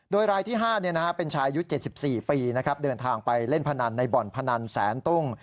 โดยรายที่๕เป็นชายุค๗๔ปีเดินทางไปเล่นพนันในบ่อนพนันแสนตุ้ง